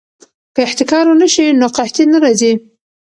که احتکار ونه شي نو قحطي نه راځي.